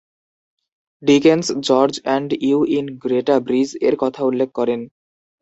Dickens "George and New Inn, Greta Bridge" এর কথা উল্লেখ করেন।